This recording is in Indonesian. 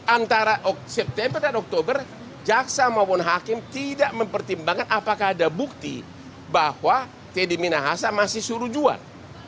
antara september dan oktober jaksa maupun hakim tidak mempertimbangkan apakah ada bukti bahwa teddy minahasa masih suruh jual